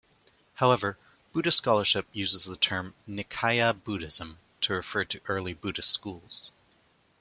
However, Buddhist scholarship uses the term "Nikaya Buddhism" to refer to early Buddhist schools.